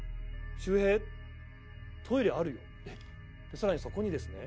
更にそこにですね